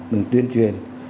mình tuyên truyền